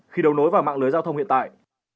khi đấu nối vào mạng lưới giao thông hiện tại